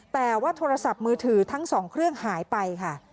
แต่ว่าโทรศัพท์มือถือทั้งสองเครื่องหายไปค่ะ